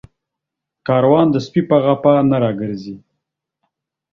کاروان د سپي په غپا نه راگرځي